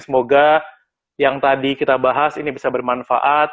semoga yang tadi kita bahas ini bisa bermanfaat